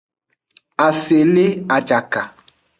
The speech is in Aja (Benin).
Ase le ajaka.